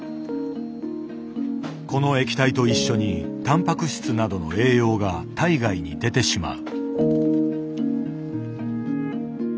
この液体と一緒にタンパク質などの栄養が体外に出てしまう。